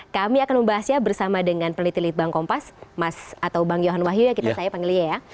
kami akan membahasnya bersama dengan peneliti litbang kompas mas atau bang yohan wahyu yang kita saya panggilnya ya